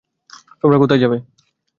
তোমার কোথায় থাকো?